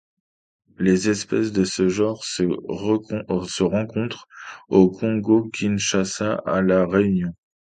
Les espèces de ce genre se rencontrent au Congo-Kinshasa et à La Réunion.